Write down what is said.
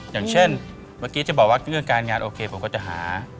อย่างเช่นเมื่อกี้จะบอกว่าเรื่องการงานโอเคผมก็จะหา